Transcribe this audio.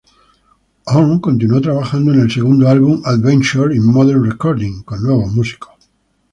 Horn continuó trabajando en el segundo álbum, "Adventures in Modern Recording", con nuevos músicos.